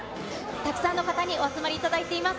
たくさんの方にお集まりいただいています。